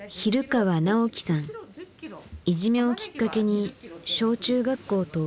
いじめをきっかけに小中学校と不登校だった。